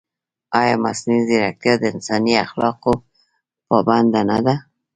ایا مصنوعي ځیرکتیا د انساني اخلاقو پابنده نه ده؟